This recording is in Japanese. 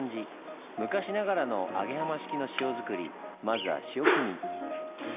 昔ながらの揚浜式の塩作りまずは潮汲み。